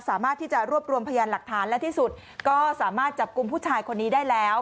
สามารถที่จะรวบรวมพยานหลักฐานและที่สุดก็สามารถจับกลุ่มผู้ชายคนนี้ได้แล้ว